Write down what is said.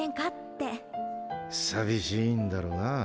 寂しいんだろうな。